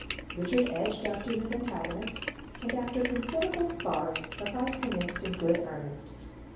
Richard edged up to his antagonist, and after considerable sparring, the fight commenced in good earnest.